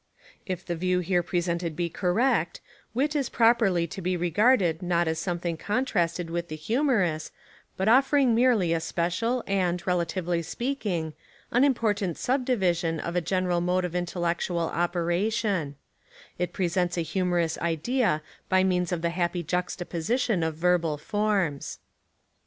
If the view here presented be correct, wit is properly to be regarded not as something contrasted with the humorous but offering merely a special and, relatively speak ing, unimportant subdivision of a general mode of Intellectual operation : it presents a humor ous idea by means of the happy juxtaposition of verbal forms.